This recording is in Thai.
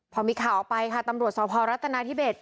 พอมีข่าวออกไปค่ะตำรวจสพรัฐนาธิเบส